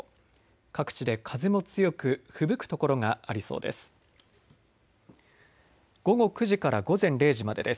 各地で風も強くふぶく所がありそうです。